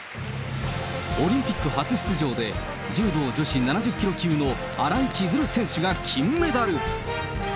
オリンピック初出場で、柔道女子７０キロ級の新井千鶴選手が金メダル。